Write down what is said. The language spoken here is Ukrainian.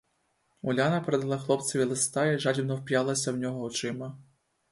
Уляна передала хлопцеві листа й жадібно вп'ялася в нього очима.